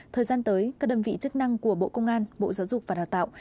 thời gian tới các đơn vị chức năng của bộ công an bộ giáo dục và đào tạo